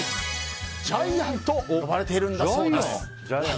ジャイアンと呼ばれているんだそうです。